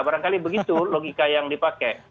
barangkali begitu logika yang dipakai